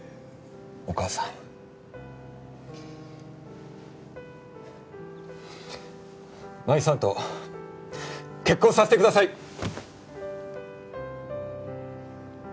お母さん麻衣さんと結婚させてください！